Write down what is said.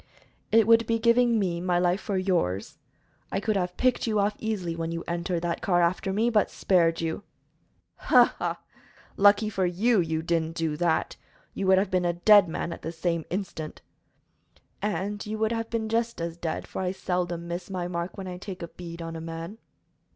"It would be giving me my life for yours. I could have picked you off easily when you entered that car after me, but spared you." "Ha! ha! Lucky for you you didn't do that; you would have been a dead man the same instant." "And you would have been just as dead, for I seldom miss my mark when I take a bead on a man."